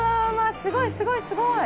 すごいすごいすごい。